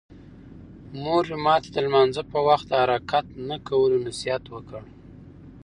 مور مې ماته د لمانځه په وخت د حرکت نه کولو نصیحت وکړ.